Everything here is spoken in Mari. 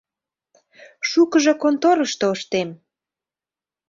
Шукыжо конторышто ыштем.